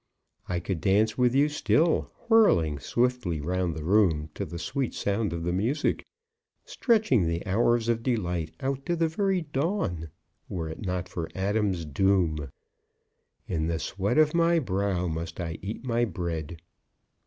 I could dance with you still, whirling swiftly round the room to the sweet sound of the music, stretching the hours of delight out to the very dawn, were it not for Adam's doom. In the sweat of my brow must I eat my bread.